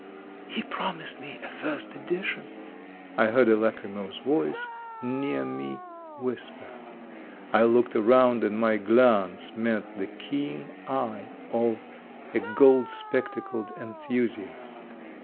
" He promised me a first edition," I heard a lachrymose voice near me whisper. I looked around, and my glance met the keen eye of a gold spectacled enthusiast.